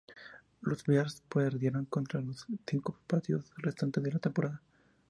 Los Bears perderían cuatro de los cinco partidos restantes de la temporada.